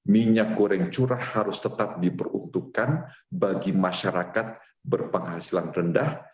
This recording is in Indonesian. minyak goreng curah harus tetap diperuntukkan bagi masyarakat berpenghasilan rendah